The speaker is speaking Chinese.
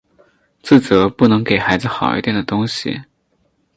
自责不能给孩子好一点的东西